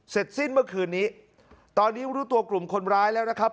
สิ้นเมื่อคืนนี้ตอนนี้รู้ตัวกลุ่มคนร้ายแล้วนะครับ